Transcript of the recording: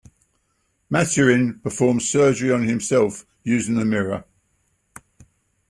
Maturin performs surgery on himself using a mirror.